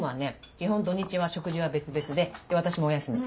基本土日は食事は別々で私もお休み。